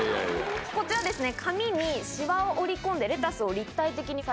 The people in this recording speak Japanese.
こちらですね。